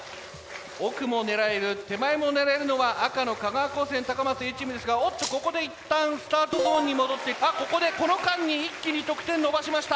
奥も狙える手前も狙えるのは赤の香川高専高松Ａチームですがおっとここで一旦スタートゾーンに戻ってここでこの間に一気に得点伸ばしました。